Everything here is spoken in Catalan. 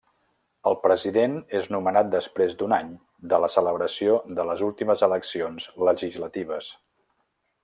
El president és nomenat després d'un any de la celebració de les últimes eleccions legislatives.